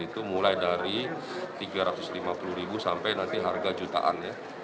itu mulai dari rp tiga ratus lima puluh ribu sampai nanti harga jutaan ya